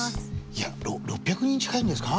いや６００人近いんですか？